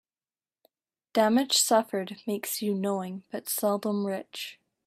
Damage suffered makes you knowing, but seldom rich.